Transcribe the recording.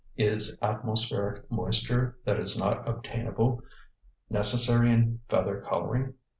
Is atmospheric moisture that is not obtainable necessary in feather coloring?